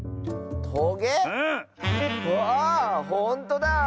あほんとだ。